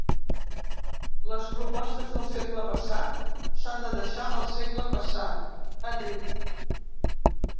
“Les propostes del segle passat, s’han de deixar al segle passat”, ha dit.